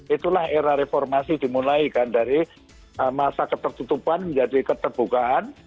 itulah era reformasi dimulai kan dari masa ketertutupan menjadi keterbukaan